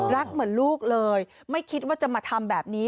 เหมือนลูกเลยไม่คิดว่าจะมาทำแบบนี้